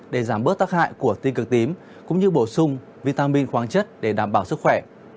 để giảm bớt tác hại của tiêu cực tím cũng như bổ sung vitamin khoáng chất để đảm bảo sức khỏe